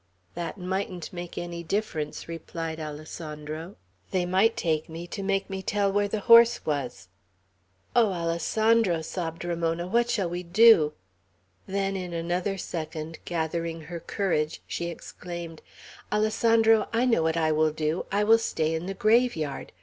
"That mightn't make any difference," replied Alessandro. "They might take me, to make me tell where the horse was." "Oh, Alessandro," sobbed Ramona, "what shall we do!" Then in another second, gathering her courage, she exclaimed, "Alessandro, I know what I will do. I will stay in the graveyard.